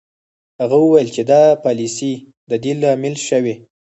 هغه وویل چې دا پالیسۍ د دې لامل شوې